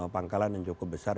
pangkalan yang cukup besar